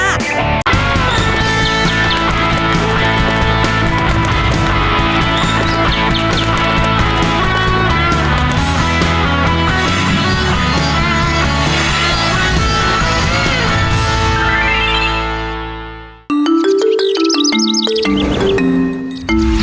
สวัสดีครับ